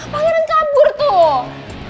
pangeran kabur tuh